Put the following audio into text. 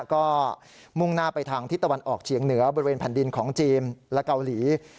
ก็มุ่งหน้าไปทางทิศตะวันออกเฉียงเหนือบริเวณแผ่นดินของจีนและเกาหลี